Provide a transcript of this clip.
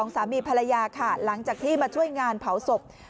สามีภรรยาค่ะหลังจากที่มาช่วยงานเผาศพ